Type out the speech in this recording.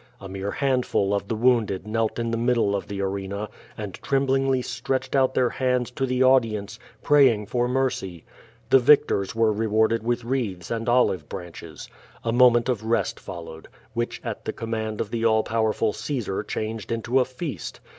A mere handful of the wounded knelt in the middle of the arena, and tremblingly stretched out their hands to the audience, praying for mercy. The victors were rewanled with wreaths and olive branches. A moment of rest followed, which at the command of the all jK)werful Caesar changed into a feast.